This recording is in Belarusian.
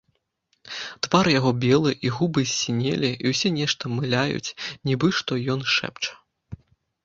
Твар яго белы, і губы ссінелі і ўсё нешта мыляюць, нібы што ён шэпча.